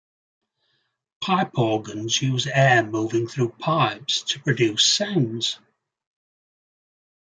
Pipe organs use air moving through pipes to produce sounds.